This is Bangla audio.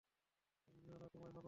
আমরা তোমায় ভালোবাসি!